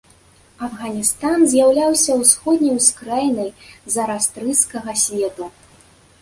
Афганістан з'яўляўся ўсходняй ускраінай зараастрысцкага свету.